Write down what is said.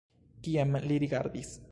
Kien li rigardis?